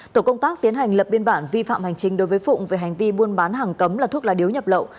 tổ công tác tiến hành lập biên bản vi phạm hành chính đối với phụng về hành vi buôn bán hàng cấm là thuốc lá điếu nhập lậu